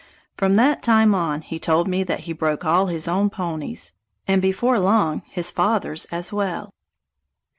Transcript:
From that time on he told me that he broke all his own ponies, and before long his father's as well.